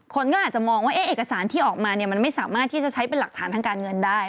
คนก็อาจจะมองว่าเอกสารที่ออกมามันไม่สามารถที่จะใช้เป็นหลักฐานทางการเงินได้